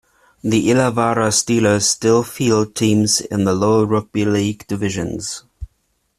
The Illawarra Steelers still field teams in the lower rugby league divisions.